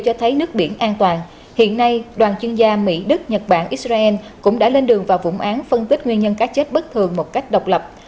hiện nay đoàn chuyên gia mỹ đức nhật bản israel cũng đã lên đường vào vũng án phân tích nguyên nhân cá chết bất thường một cách độc lập